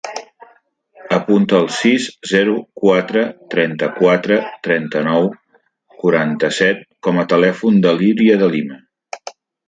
Apunta el sis, zero, quatre, trenta-quatre, trenta-nou, quaranta-set com a telèfon de l'Iria De Lima.